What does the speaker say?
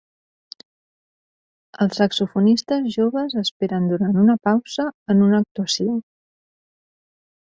Els saxofonistes joves esperen durant una pausa en una actuació